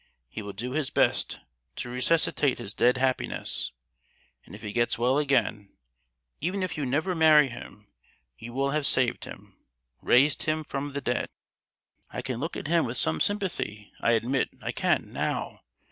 He will do his best to resuscitate his dead happiness; and if he gets well again, even if you never marry him, you will have saved him—raised him from the dead! "I can look at him with some sympathy. I admit I can, now!